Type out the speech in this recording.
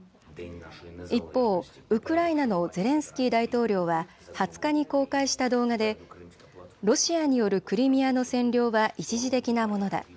一方、ウクライナのゼレンスキー大統領は２０日に公開した動画でロシアによるクリミアの占領は一時的なものだ。